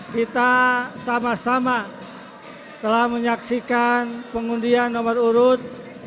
kita sama sama telah menyaksikan pengundian nomor urut dua